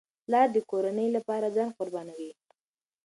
پلار د کورنۍ لپاره ځان قربانوي.